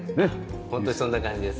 本当にそんな感じです。